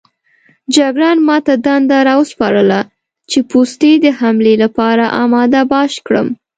جګړن ما ته دنده راوسپارله چې پوستې د حملې لپاره اماده باش کړم.